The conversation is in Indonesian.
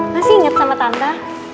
masih inget sama tante